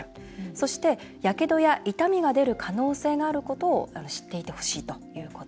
そして、やけどや痛みが出る可能性があることを知っていてほしいということ。